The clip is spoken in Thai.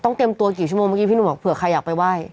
อ๋อต้องเต็มตัวกี่ชั่วโมงพี่หนุ่มบอกเผื่อใครอยากไปไหว้